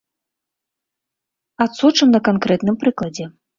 Адсочым на канкрэтным прыкладзе.